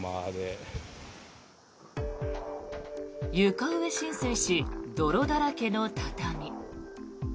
床上浸水し泥だらけの畳。